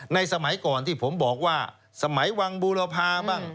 สมัยก่อนที่ผมบอกว่าสมัยวังบูรพาบ้าง